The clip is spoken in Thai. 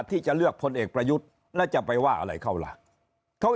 ที่จะเลือกพลเอกประยุทธ์แล้วจะไปว่าอะไรเขาล่ะเขา